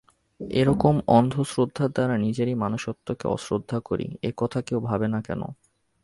এরকম অন্ধ শ্রদ্ধার দ্বারা নিজেরই মনুষ্যত্বকে অশ্রদ্ধা করি এ কথা কেউ ভাবে না কেন?